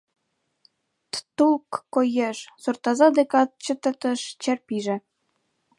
— Т-тул к-ко-еш... — суртоза декат чытыртыш чер пиже.